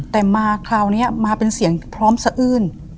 แต่มาคราวนี้มาเป็นเสียงพร้อมสะอื้น